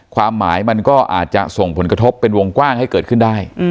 ความหมายมันก็อาจจะส่งผลกระทบเป็นวงกว้างให้เกิดขึ้นได้